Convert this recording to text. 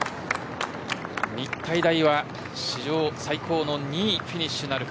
日体大は史上最高の２位フィニッシュなるか。